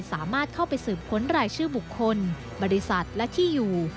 สามารถเข้าไปสืบค้นรายชื่อบุคคลบริษัทและที่อยู่